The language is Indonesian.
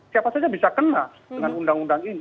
siapa saja bisa kena dengan undang undang ini